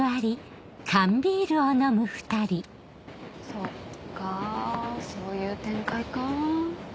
そっかそういう展開か。